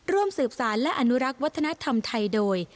ร่วมสืบสารและอนุรักษ์วัฒนธรรมไทยโดย